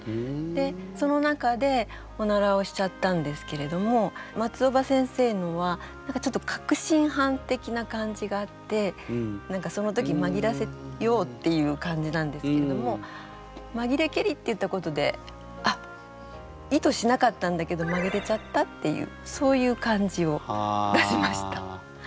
でその中でおならをしちゃったんですけれども松尾葉先生のは何かちょっと確信犯的な感じがあって何かその時まぎらせようっていう感じなんですけれども「まぎれけり」って言ったことであっ意図しなかったんだけどまぎれちゃったっていうそういう感じを出しました。